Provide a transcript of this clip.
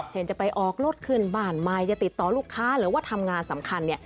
จะไปออกรถขึ้นบ้านใหม่จะติดต่อลูกค้าหรือว่าทำงานสำคัญ